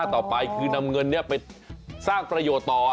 ต่อไปคือนำเงินไปซากประโยชน์ต่อ